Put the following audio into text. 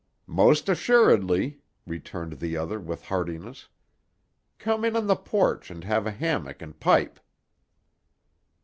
"Most assuredly," returned the other with heartiness. "Come in on the porch and have a hammock and pipe."